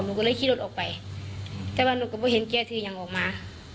หนูก็เลยขี่รถออกไปแต่ว่าหนูก็ไปเห็นแกถือยังออกมา